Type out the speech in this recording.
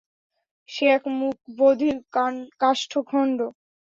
সে এক মূক বধির কাষ্ঠ খণ্ড।